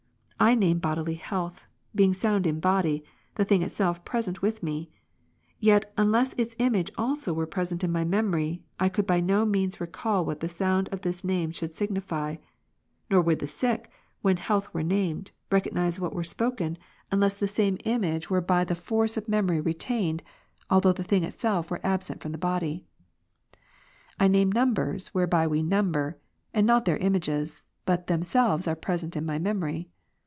I name bodily health; being sound in body, the thing itself is present with me ; yet, unless its image also were present in my memory, I could by no means recall what the sound of this name should signify. Nor would the sick, when health were named, recognize what were spoken, unless the same image Hoiv can for get fulness he retained by memory ? 195 were by the force of memory retained, although the thing itself were absent from the body. I name numbers whereby we number; and not their images, but themselves are present in my memory.